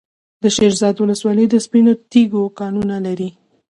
د شیرزاد ولسوالۍ د سپینو تیږو کانونه لري.